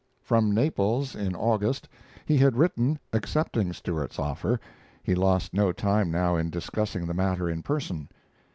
From Naples, in August, he had written accepting Stewart's offer; he lost no time now in discussing the matter in person.